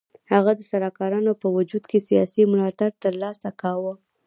هغه د سلاکارانو په وجود کې سیاسي ملاتړ تر لاسه کاوه.